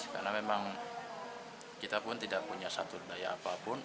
karena memang kita pun tidak punya satu daya apapun